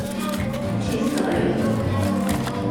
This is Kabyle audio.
Ad t-yesseɣli.